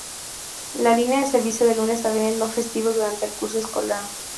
La línea da servicio de Lunes a Viernes, no festivos durante el curso escolar.